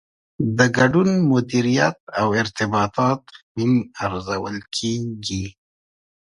د ګډون مدیریت او ارتباطات هم ارزول کیږي.